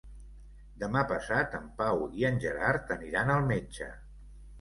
Demà passat en Pau i en Gerard aniran al metge.